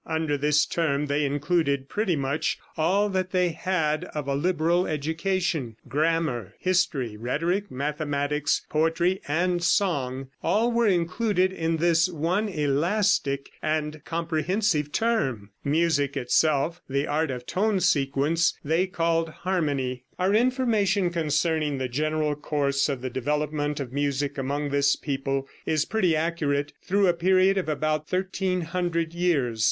Under this term they included pretty much all that they had of a liberal education; grammar, history, rhetoric, mathematics, poetry and song all were included in this one elastic and comprehensive term. Music itself, the art of tone sequence, they called harmony. Our information concerning the general course of the development of music among this people is pretty accurate through a period of about 1300 years.